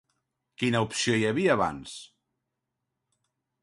Quina opció hi havia bans?